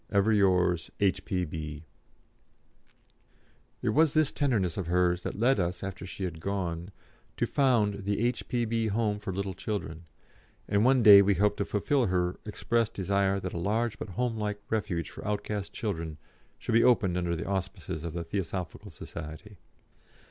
"Ever yours, "H.P.B." It was this tenderness of hers that led us, after she had gone, to found the "H.P.B. Home for little children," and one day we hope to fulfil her expressed desire that a large but homelike Refuge for outcast children should be opened under the auspices of the Theosophical Society.